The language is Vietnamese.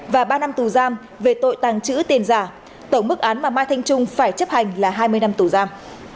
và ba năm tù giam về tội tàng trữ tiền giả tổng mức án mà mai thanh trung phải chấp hành là hai mươi năm tù giam